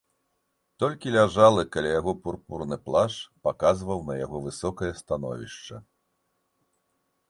Толькі ляжалы каля яго пурпурны плашч паказваў на яго высокае становішча.